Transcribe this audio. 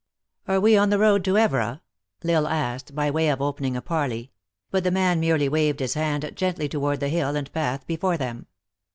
" Are we on the road to Evora ?" L Isle asked, by way of opening a parley ; but the man merely waved his hand gently toward the hill and path before them.